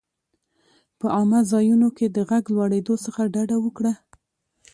په عامه ځایونو کې د غږ لوړېدو څخه ډډه وکړه.